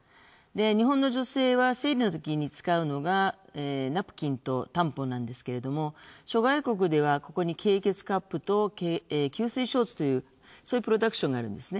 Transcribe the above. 日本の女性は生理のときに使うのがナプキンとタンポンなんですけど、諸外国ではここに経血カップと給水ショーツというプロダクツがあるんですね。